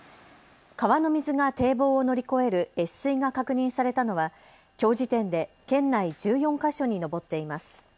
川の水が堤防を乗り越える越水が確認されたのはきょう時点で県内１４か所に上っています。